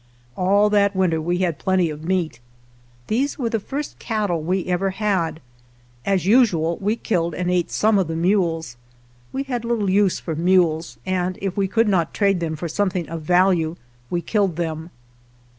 All that winter we had plenty of meat. These were the first cattle we ever had. As usual we killed and ate some of the mules. We had little use for mules, and 76 SUCCESSFUL RAIDS if we could not trade them for something of value, we killed them.